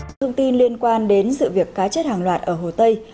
thông tin liên quan đến sự việc cá chết hàng loạt ở hồ tây